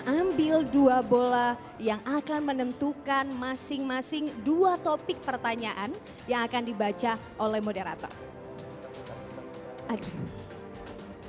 ambil dua bola yang akan menentukan masing masing dua topik pertanyaan yang akan dibaca oleh moderator